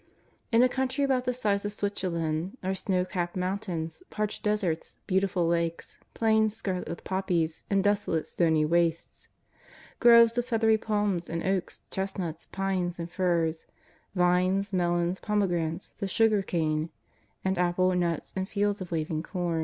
In a country about the size of Switzerland are snow capped mountains, parched deserts, beautiful lakes; plains scarlet with poppies, and desolate stony wastes ; groves of feathery palms, and oaks, chestnuts, pines, and firs; vines, melons, pomegranates, the sugar cane; and apples, nuts, and fields of waving com.